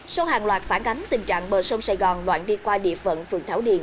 sau hàng loạt phản ánh tình trạng bờ sông sài gòn loạn đi qua địa phận phường thảo điền